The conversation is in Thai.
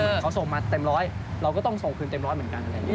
เขาส่งมาเต็มร้อยเราก็ต้องส่งคืนเต็มร้อยเหมือนกันอะไรอย่างนี้